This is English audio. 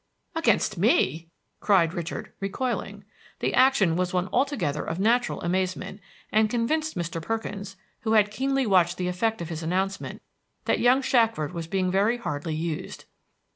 "Against me!" cried Richard, recoiling. The action was one altogether of natural amazement, and convinced Mr. Perkins, who had keenly watched the effect of his announcement, that young Shackford was being very hardly used.